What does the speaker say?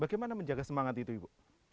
bagaimana menjaga semangat itu ibu